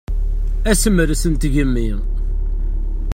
Asemres n tgemmi.